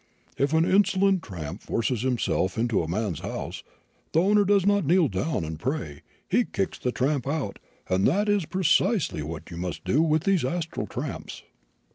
If an insolent tramp forces himself into a man's house, the owner does not kneel down and pray he kicks the tramp out; and that is precisely what you must do with these astral tramps.